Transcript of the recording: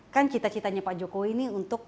kan cita citanya pak jokowi ini untuk